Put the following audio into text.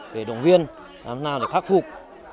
để động viên làm thế nào để khắc phục